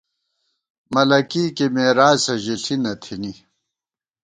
ملَکی کی مېراثہ ، ژِݪی نہ تھنی